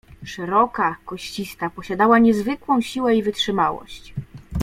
"Szeroka, koścista posiadała niezwykłą siłę i wytrzymałość."